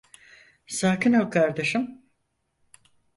Sakin ol kardeşim.